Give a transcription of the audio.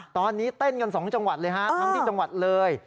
ตอนนี้เต้นกัน๒จังหวัดเลยฮะทั้งที่จังหวัดเลย